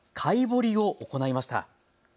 ぼりを行いました。